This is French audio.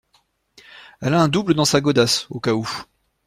elle a un double dans sa godasse, au cas où.